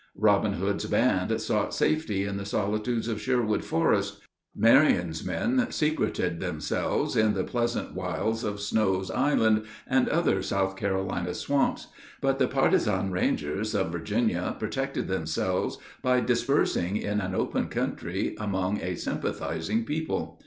Robin Hood's band sought safety in the solitudes of Sherwood Forest, Marion's men secreted themselves "in the pleasant wilds of Snow's Island" and other South Carolina swamps, but the Partizan Rangers of Virginia protected themselves by dispersing in an open country among a sympathizing people.